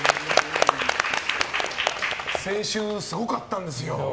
先週、すごかったんですよ。